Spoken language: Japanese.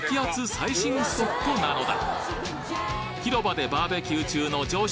最新スポットなのだ！